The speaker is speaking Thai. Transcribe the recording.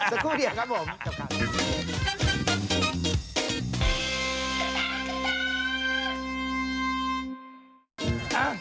สักครู่เดียวครับผม